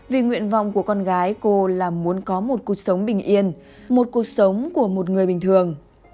vì nguyện vọng của con gái cô là muốn có một cuộc sống bình yên một cuộc sống của một người bình thường